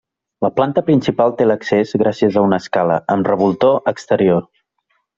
La planta principal té l'accés gràcies a una escala, amb revoltó, exterior.